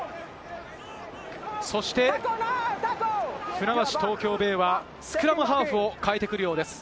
そして、船橋・東京ベイはスクラムハーフを代えてくるようです。